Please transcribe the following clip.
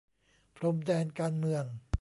พรมแดนการเมือง